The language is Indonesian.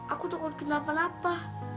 aku takut kenapa napa